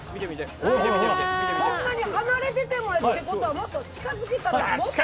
こんなに離れててもってことは、近づけばもっと。